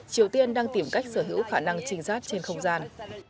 triều tiên đang tìm cách sở hữu khả năng trình giác trên không gian